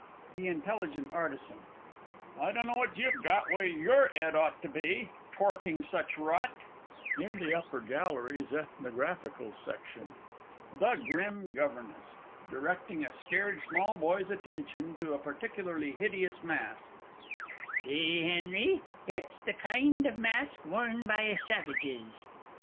THE I. A. I dunno what you've got where your 'ed ought to be, torking such rot! IN THE UPPER GALLERIES; ETHNOGRAPHICAL COLLECTION. THE GRIM GOVERNESS (directing a scared small boy's attention to a particularly hideous mask). See, Henry, that's the kind of mask worn by savages!